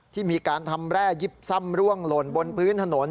ที่มีการทำแร่ยิบซ่ำร่วงหล่นบนพื้นถนน